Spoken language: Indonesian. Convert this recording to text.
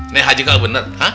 naik haji gak bener